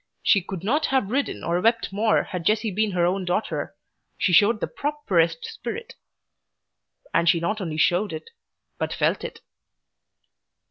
She could not have ridden nor wept more had Jessie been her own daughter she showed the properest spirit. And she not only showed it, but felt it.